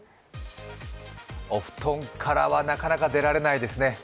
お布団からはなかなか出られないですね。